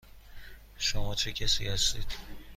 شما چه کسی هستید؟